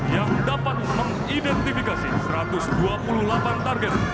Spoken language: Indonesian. yang dapat mengidentifikasi satu ratus dua puluh delapan target